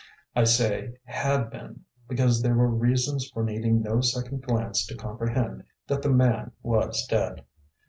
I say "had been" because there were reasons for needing no second glance to comprehend that the man was dead.